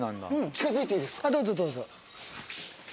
どうぞ、どうぞ。